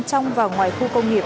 trong và ngoài khu công nghiệp